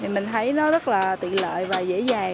mình thấy nó rất là tiện lợi và dễ dàng